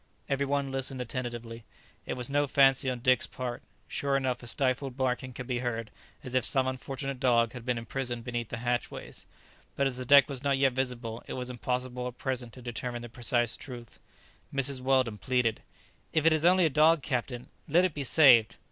Every one listened attentively; it was no fancy on Dick's part, sure enough a stifled barking could be heard, as if some unfortunate dog had been imprisoned beneath the hatchways; but as the deck was not yet visible, it was impossible at present to determine the precise truth. Mrs Weldon pleaded, "If it is only a dog, captain, let it be saved."